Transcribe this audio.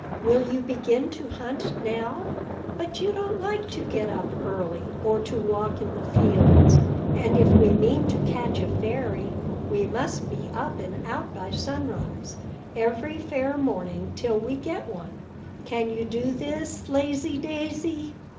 Will you begin to hunt now?" "But you don't like to get up early, or to walk in the fields; and, if we mean to catch a fairy, we must be up and out by sunrise every fair morning till we get one. Can you do this, lazy Daisy?"